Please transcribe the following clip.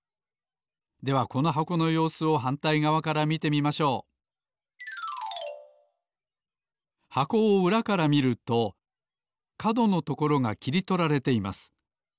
ではこの箱のようすをはんたいがわから見てみましょう箱をうらから見るとかどのところがきりとられています。